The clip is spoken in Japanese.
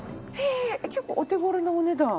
結構お手頃なお値段。